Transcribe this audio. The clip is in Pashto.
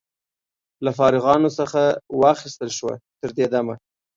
له فارغانو څخه واخیستل شوه. تر دې دمه